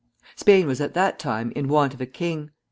Spain was at that time in want of a king.